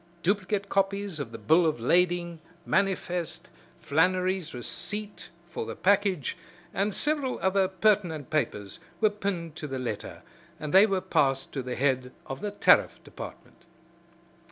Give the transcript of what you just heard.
Duplicate copies of the bill of lading, manifest, Flannery's receipt for the package and several other pertinent papers were pinned to the letter, and they were passed to the head of the Tariff Department.